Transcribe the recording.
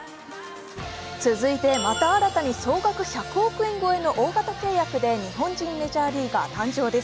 続いて、また新たに総額１００億円超えの日本人メジャーリーガー誕生です。